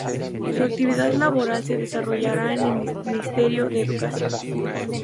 Su actividad laboral se desarrollará en el Ministerio de Educación.